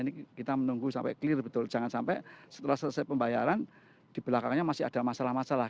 ini kita menunggu sampai clear betul jangan sampai setelah selesai pembayaran di belakangnya masih ada masalah masalah